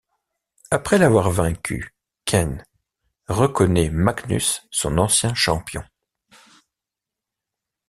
Après l'avoir vaincu, Kain reconnaît Magnus, son ancien champion.